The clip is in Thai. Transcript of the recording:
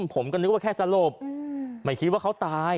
ผมก็นึกว่าแค่สลบไม่คิดว่าเขาตาย